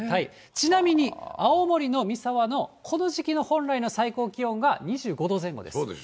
ちなみに青森の三沢のこの時期の本来の最高気温が２５度前後です。